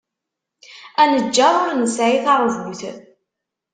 Aneǧǧaṛ ur nesɛi taṛbut!